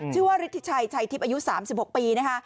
ชื่อว่าฤทธิชัยชัยทิพย์อายุ๓๖ปีนะคะ